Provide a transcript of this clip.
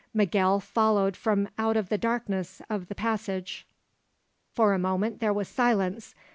Miguel followed from out of the darkness of the passage. For a moment there was silence.